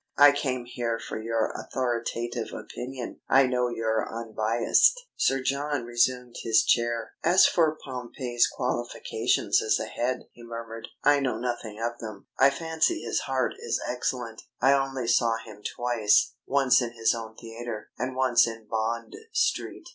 I came here for your authoritative opinion. I know you're unbiased." Sir John resumed his chair. "As for Pompey's qualifications as a head," he murmured, "I know nothing of them. I fancy his heart is excellent. I only saw him twice, once in his own theatre, and once in Bond Street.